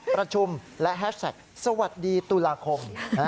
ประชุมและแฮชแท็กสวัสดีตุลาคม